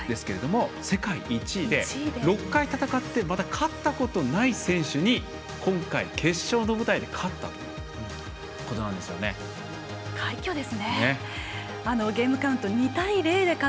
世界１位で６回戦って勝ったことない選手に今回、決勝の舞台で勝ったということなんです。